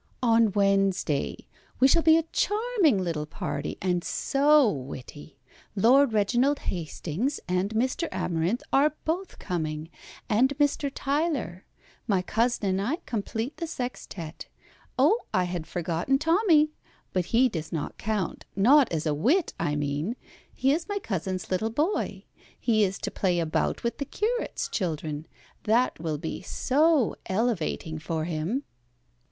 "On Wednesday. We shall be a charming little party, and so witty. Lord Reginald Hastings and Mr. Amarinth are both coming, and Mr. Tyler. My cousin and I complete the sextet. Oh! I had forgotten Tommy. But he does not count, not as a wit, I mean. He is my cousin's little boy. He is to play about with the curate's children. That will be so elevating for him."